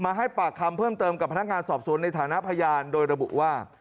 ให้ปากคำเพิ่มเติมกับพนักงานสอบสวนในฐานะพยานโดยระบุว่า